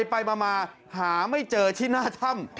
ไปมาหาไม่เจอที่หน้าถ้ำ